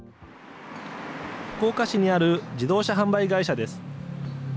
福岡市にある自動車販売会社です。